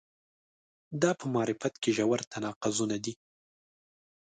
دا په معرفت کې ژور تناقضونه دي.